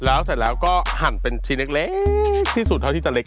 แล้วเสร็จแล้วก็หั่นเป็นชิ้นเล็กที่สุดเท่าที่จะเล็ก